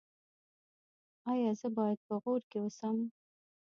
ایا زه باید په غور کې اوسم؟